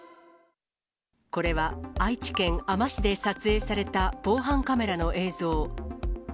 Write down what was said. これは愛知県あま市で撮影された防犯カメラの映像。